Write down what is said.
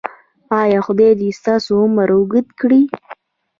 ایا خدای دې ستاسو عمر اوږد کړي؟